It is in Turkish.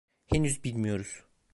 Henüz bilmiyoruz.